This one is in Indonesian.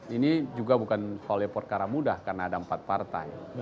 ini juga bukan oleh perkara mudah karena ada empat partai